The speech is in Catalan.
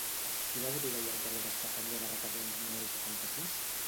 Quina botiga hi ha al carrer d'Estefania de Requesens número setanta-sis?